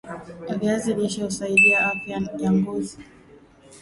viazi lishe husaidia afya ya ngozi